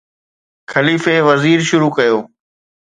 خليفي وزير شروع ڪيو